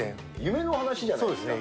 夢の話じゃないですね。